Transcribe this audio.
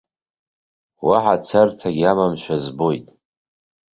Уаҳа царҭагьы амамшәа збоит.